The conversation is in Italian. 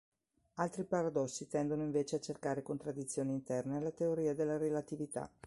Altri paradossi tendono invece a cercare contraddizioni interne alla teoria della relatività.